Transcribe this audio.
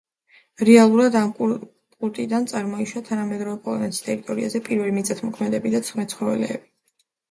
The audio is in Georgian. რეალურად ამ კულტურიდან წარმოიშვა თანამედროვე პოლონეთის ტერიტორიაზე პირველი მიწათმოქმედები და მეცხოველეები.